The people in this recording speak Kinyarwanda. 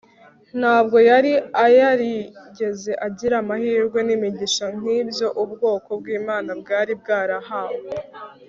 Ntabwo yari ayarigeze agira amahirwe nimigisha nkibyo ubwoko bwImana bwari bwarahawe